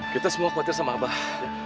kita semua khawatir sama abah